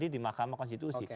yang tadi di mahkamah konstitusi